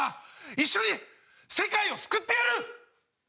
一緒に世界を救ってやる！